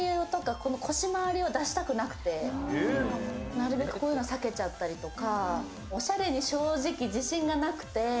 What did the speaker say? なるべくこういうのを避けちゃったりとか。